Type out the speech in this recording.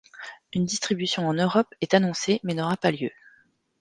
Une distribution en Europe est annoncée, mais n'aura pas lieu.